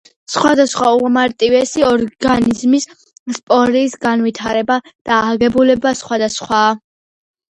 სხვადასხვა უმარტივესი ორგანიზმის სპორის განვითარება და აგებულება სხვადასხვაა.